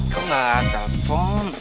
kamu gak telepon